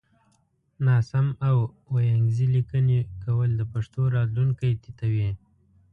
ناسم او وينگيزې ليکنې کول د پښتو راتلونکی تتوي